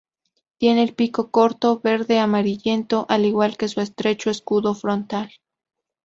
Tiene el pico corto verde amarillento, al igual que su estrecho escudo frontal.